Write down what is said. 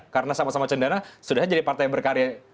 karena sama sama cendana sudah jadi partai berkarya